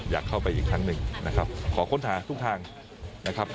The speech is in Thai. อยากเข้าไปอีกครั้งหนึ่งนะครับขอค้นหาทุกทางนะครับ